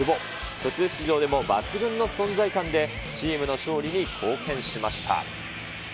途中出場でも抜群の存在感で、チームの勝利に貢献しました。